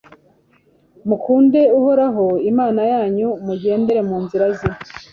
mukunde uhoraho, imana yanyu, mugendere mu nzira ze